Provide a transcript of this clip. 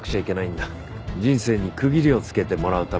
人生に区切りをつけてもらうために。